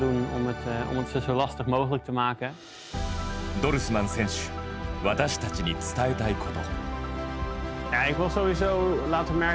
ドルスマン選手私たちに伝えたいこと。